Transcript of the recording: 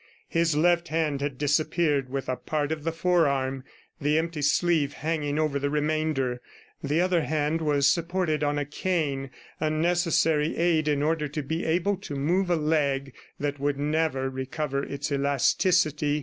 His left hand had disappeared with a part of the forearm, the empty sleeve hanging over the remainder. The other hand was supported on a cane, a necessary aid in order to be able to move a leg that would never recover its elasticity.